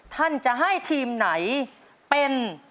ท่านจะให้ทีมไหนเป็น